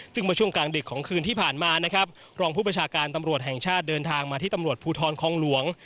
ซึ่งเมื่อช่วงกลางดึกของคืนที่ผ่านมานะครับรองผู้ประชาการตำรวจแห่งชาติเดินทางมาที่ตำรวจภูทรคองหลวง